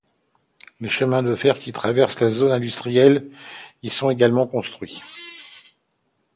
Les chemins de fer qui traversent la zone industrielle y sont également construit.